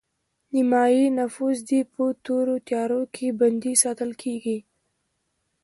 نیمایي نفوس دې په تورو تیارو کې بندي ساتل کیږي